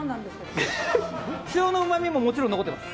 塩のうまみももちろん残ってます。